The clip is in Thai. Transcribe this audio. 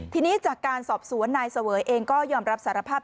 ทีนี้จากการสอบสวนนายเสวยเองก็ยอมรับสารภาพ